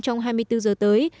trong hai mươi bốn h tới